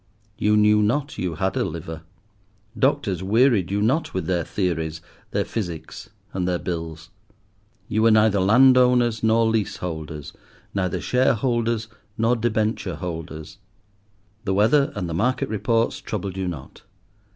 You knew not you had a liver. Doctors wearied you not with their theories, their physics, and their bills. You were neither landowners nor leaseholders, neither shareholders nor debenture holders. The weather and the market reports troubled you not.